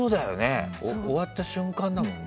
終わった瞬間だもんね。